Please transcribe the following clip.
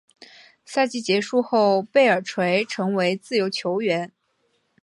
赛季结束后贝尔垂成为自由球员。